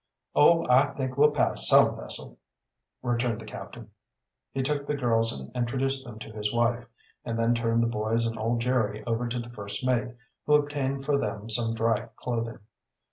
"Oh, I think we'll pass some vessel," returned the captain. He took the girls and introduced them to, his wife, and then turned the boys and old Jerry over to the first mate, who obtained for them some dry clothing.